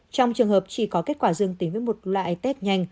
trong trường hợp chỉ có kết quả dương tính với một loại test nhanh